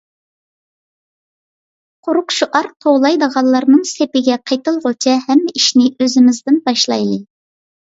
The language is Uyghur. قۇرۇق شوئار توۋلايدىغانلارنىڭ سېپىگە قېتىلغۇچە ھەممە ئىشنى ئۆزىمىزدىن باشلايلى.